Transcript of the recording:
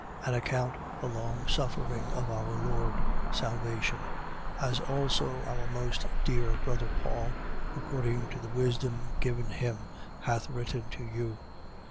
3:15. And account the longsuffering of our Lord, salvation: as also our most dear brother Paul, according to the wisdom given him, hath written to you: 3:16.